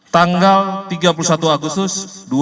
tanggal tiga puluh satu agustus dua ribu dua puluh